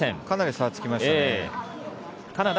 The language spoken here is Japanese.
かなり差がつきました。